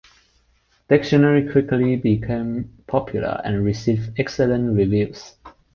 The dictionary quickly became popular and received excellent reviews.